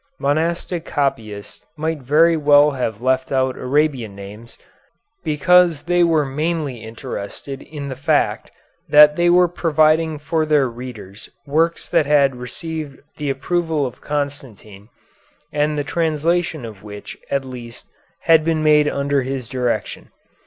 Monastic copyists might very well have left out Arabian names, because they were mainly interested in the fact that they were providing for their readers works that had received the approval of Constantine, and the translation of which at least had been made under his direction.